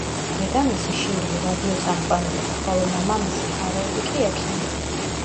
დედამისი, შირლი, რადიოწამყვანი იყო, ხოლო მამამისი, ჰაროლდი კი ექიმი.